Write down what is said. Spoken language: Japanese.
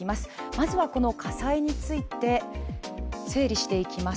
まずはこの火災について整理していきます。